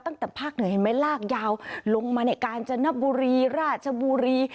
ตั้งแต่ภาคเหนือเห็นไหมลากยาวลงมาในการจนบุรีราชบุรี